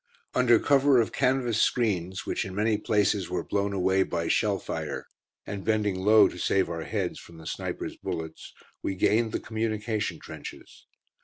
Under cover of canvas screens, which in many places were blown away by shell fire, and bending low to save our heads from the snipers' bullets, we gained the communication trenches.